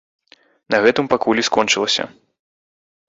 На гэтым пакуль і скончылася.